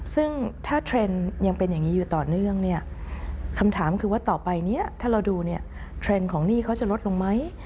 ซึ่งถ้าเทรนด์ยังเป็นอย่างนี้อยู่ต่อเนื่องเนี่ยคำถามคือว่าต่อไปเนี่ยถ้าเราดูเนี่ยเทรนด์ของหนี้เขาจะลดลงไหม